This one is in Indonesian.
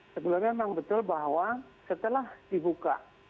sebenarnya memang betul bahwa setelah dibuka